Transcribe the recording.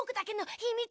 ひみつ。